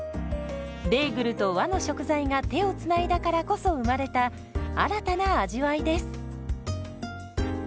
ベーグルと和の食材が手をつないだからこそ生まれた新たな味わいです。